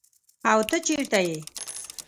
او ته چیرته ئي ؟